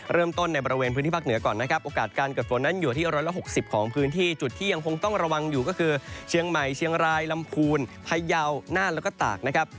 เริ่มต้นในบริเวณพื้นที่ภาคเหนือก่อนนะครับโอกาสการเกิดฝนนั้นอยู่ที่๑๖๐ของพื้นที่จุดที่ยังคงต้องระวังอยู่ก็คือเชียงใหม่เชียงรายลำพูนพยาวน่านแล้วก็ตากนะครับ